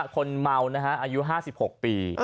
คนเมานะฮะอายุ๕๖ปี